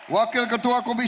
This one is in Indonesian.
wakil ketua komisi tiga dpr